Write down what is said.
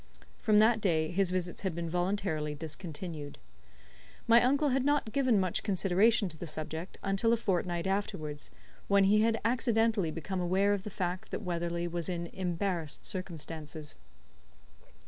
From that day his visits had been voluntarily discontinued. My uncle had not given much consideration to the subject until a fortnight afterwards, when he had accidently become aware of the fact that Weatherley was in embarrassed circumstances.